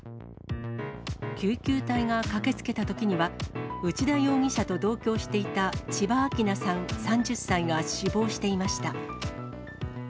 救急隊が駆けつけたときには、内田容疑者と同居していた千葉晃奈さん３０歳が死亡していました。